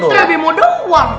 maksudnya abie mau doang